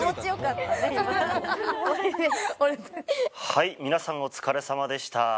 はい皆さんお疲れさまでした。